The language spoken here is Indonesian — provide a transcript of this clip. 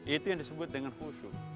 itu yang disebut dengan khusyuk